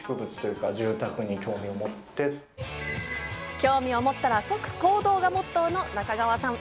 興味を持ったら即行動がモットーの中川さん。